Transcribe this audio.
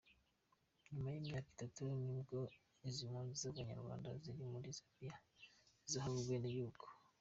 Nyuma y’imyaka itatu nibwo izi mpunzi z’Abanyarwanda ziri muri Zambia zizahabwa ubwenegihugu.